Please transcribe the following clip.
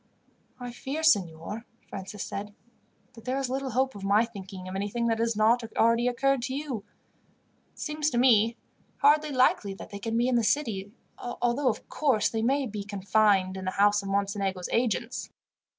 "I fear, signor," Francis said, "that there is little hope of my thinking of anything that has not already occurred to you. It seems to me hardly likely that they can be in the city, although, of course, they may be confined in the house of Mocenigo's agents.